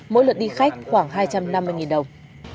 mỗi lượt đi khách khoảng hai trăm năm mươi đồng